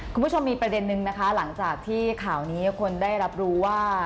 คุณผู้ชมมีประเด็นนึงนะคะหลังจากที่ข่าวนี้คนได้รับรู้ว่า